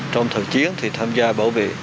trong thời chiến thì tham gia bảo vệ